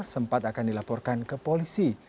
sempat akan dilaporkan ke polisi